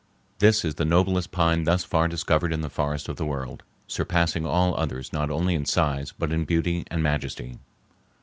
This is the noblest pine thus far discovered in the forests of the world, surpassing all others not only in size but in beauty and majesty.